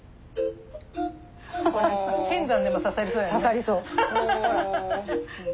剣山でも刺さりそうやね。